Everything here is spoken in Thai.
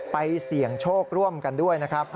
เสี่ยงโชคร่วมกันด้วยนะครับ